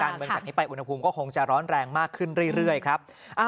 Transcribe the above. เมืองจากนี้ไปอุณหภูมิก็คงจะร้อนแรงมากขึ้นเรื่อยครับ